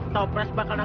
dasar puyul madu